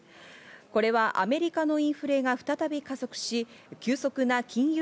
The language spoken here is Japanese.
これはアメリカのインフレが再び加速し、急速な金融